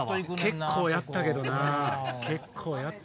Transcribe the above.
結構やったけどな。